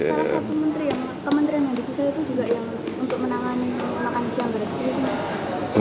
saya satu menteri yang kementerian yang diperlukan itu juga untuk menangani